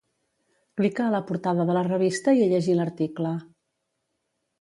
Clica a la portada de la revista i a llegir l'article.